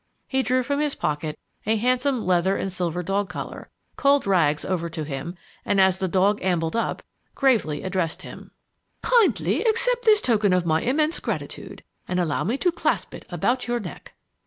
He drew from his pocket a handsome leather and silver dog collar, called Rags over to him, and, as the dog ambled up, gravely addressed him: "Kindly accept this token of my immense gratitude and allow me to clasp it about your neck!"